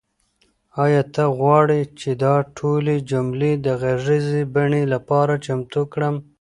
آیا ته غواړې چې دا ټولې جملې د غږیزې بڼې لپاره چمتو کړم؟